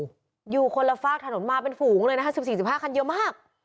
โอ้โหอยู่คนละฟากถนนมาเป็นฝูงเลยนะฮะสิบสี่สิบห้าคันเยอะมาก